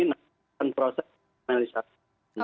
ini nampaknya kan proses analisasi